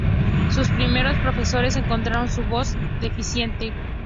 Sus primeros profesores encontraron su voz deficiente.